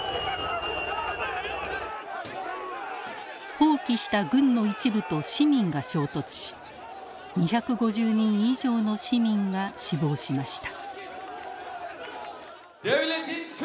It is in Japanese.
蜂起した軍の一部と市民が衝突し２５０人以上の市民が死亡しました。